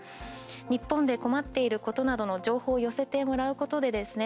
日本で困っていることなどの情報を寄せてもらうことでですね